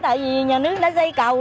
tại vì nhà nước đã xây cầu